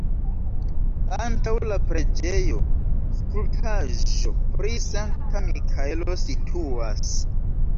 Antaŭ la preĝejo skulptaĵo pri Sankta Mikaelo situas.